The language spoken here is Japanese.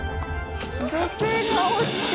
女性が落ちて。